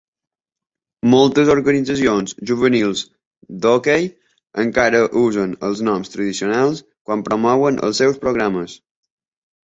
Moltes organitzacions juvenils d'hoquei encara usen els noms tradicionals quan promouen els seus programes.